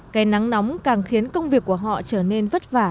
cây nắng nóng càng khiến công việc của họ trở nên vất vả